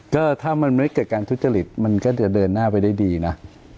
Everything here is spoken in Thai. ก็ถ้ามันไม่เกิดการทุจริตมันก็จะเดินหน้าไปได้ดีนะ